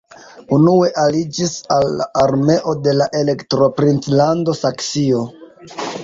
Unue aliĝis al la armeo de la Elektoprinclando Saksio.